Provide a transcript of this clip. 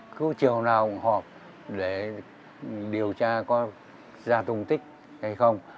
cứ chiều nào cũng họp để điều tra có ra tung tích hay không